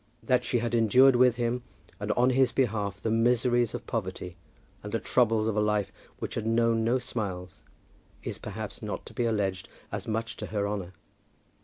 That she had endured with him and on his behalf the miseries of poverty, and the troubles of a life which had known no smiles, is perhaps not to be alleged as much to her honour.